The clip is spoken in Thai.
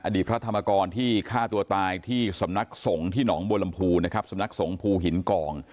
พระธรรมกรที่ฆ่าตัวตายที่สำนักสงฆ์ที่หนองบัวลำพูนะครับสำนักสงภูหินกอง